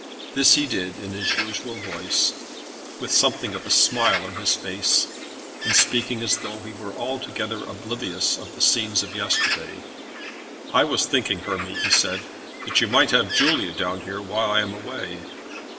This he did in his usual voice, with something of a smile on his face, and speaking as though he were altogether oblivious of the scenes of yesterday. "I was thinking, Hermy," he said, "that you might have Julia down here while I am away."